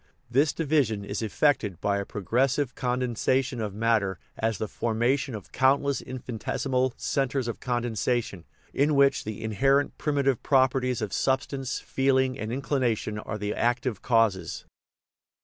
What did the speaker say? This division is effected by a progressive con densation of matter as the formation of countless in finitesimal " centres of condensation/' in which the in herent primitive properties of substance feeling and inclination are the active causes.